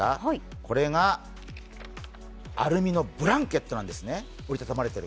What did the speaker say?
これがアルミのブランケットなんですね、折りたたまれてる。